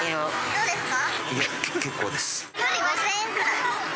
どうですか？